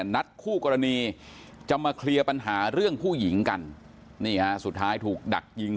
นัดคู่กรณีจะมาเคลียร์ปัญหาเรื่องผู้หญิงกันนี่ฮะสุดท้ายถูกดักยิง